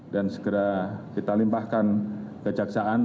segera kita limpahkan kejaksaan